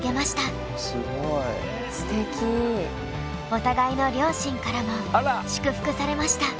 お互いの両親からも祝福されました。